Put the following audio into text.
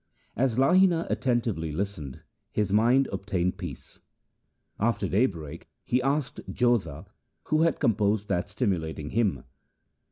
1 As Lahina attentively listened, his mind obtained peace. After daybreak he asked Jodha who had composed that stimulating hymn.